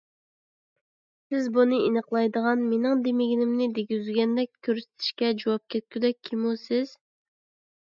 سىز بۇنى ئېنىقلايدىغان، مېنىڭ دېمىگىنىمنى دېگۈزگەندەك كۆرسىتىشكە جۇۋاپ كەتكۈدەك كىمۇ سىز؟